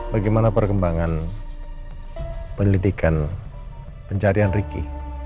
bagaimana perkembangan pelidikan pencarian ricky